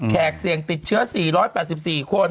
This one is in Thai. เสี่ยงติดเชื้อ๔๘๔คน